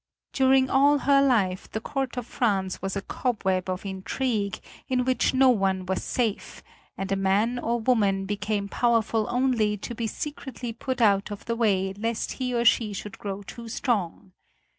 During all her life the court of France was a cobweb of intrigue, in which no one was safe, and a man or woman became powerful only to be secretly put out of the way lest he or she should grow too strong.